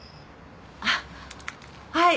あっはい。